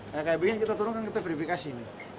kayak begini kita turunkan kita verifikasi nih